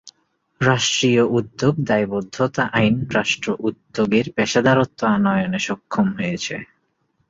রাষ্ট্রীয় উদ্যোগ দায়বদ্ধতা আইন রাষ্ট্র উদ্যোগের পেশাদারত্ব আনয়নে সক্ষম হয়েছে।